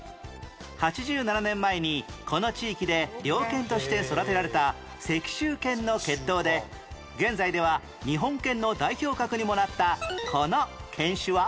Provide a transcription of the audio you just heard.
８７年前にこの地域で猟犬として育てられた石州犬の血統で現在では日本犬の代表格にもなったこの犬種は？